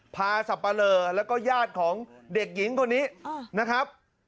สับปะเลอแล้วก็ญาติของเด็กหญิงคนนี้นะครับ